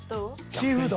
シーフード？